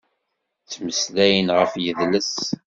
Ttmeslayen ɣef yedles